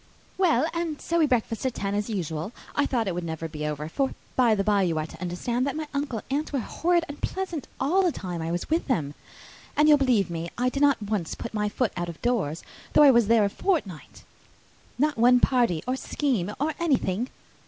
"Well, and so we breakfasted at ten as usual: I thought it would never be over; for, by the bye, you are to understand that my uncle and aunt were horrid unpleasant all the time I was with them. If you'll believe me, I did not once put my foot out of doors, though I was there a fortnight. Not one party, or scheme, or anything!